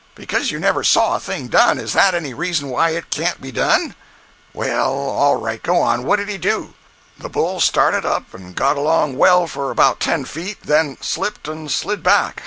Because you never saw a thing done, is that any reason why it can't be done?" "Well, all right—go on. What did you do?" "The bull started up, and got along well for about ten feet, then slipped and slid back.